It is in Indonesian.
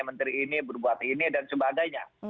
menteri ini berbuat ini dan sebagainya